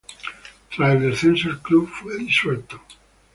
Tras el descenso, el club fue disuelto.